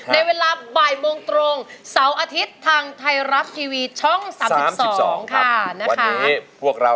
ขอลาคุณผู้ชมไปก่อนนะครับสวัสดีครับ